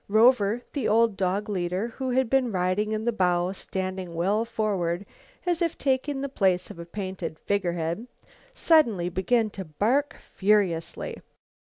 Rover, the old dog leader, who had been riding in the bow standing well forward, as if taking the place of a painted figurehead, suddenly began to bark furiously.